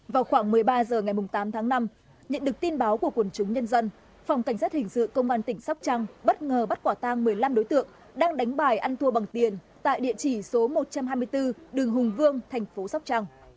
vào khoảng một mươi ba h ngày tám tháng năm nhận được tin báo của quần chúng nhân dân phòng cảnh sát hình sự công an tỉnh sóc trăng bất ngờ bắt quả tang một mươi năm đối tượng đang đánh bài ăn thua bằng tiền tại địa chỉ số một trăm hai mươi bốn đường hùng vương thành phố sóc trăng